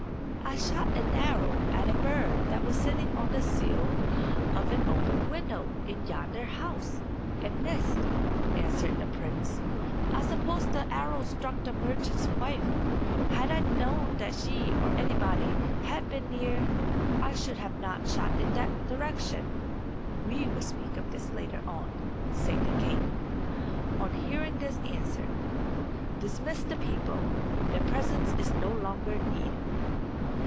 "I shot an arrow at a bird that was sitting on the sill of an open window in yonder house, and missed," answered the prince. "I suppose the arrow struck the merchant's wife. Had I known that she or anybody had been near I should not have shot in that direction." "We will speak of this later on," said the king, on hearing this answer. "Dismiss the people. Their presence is no longer needed."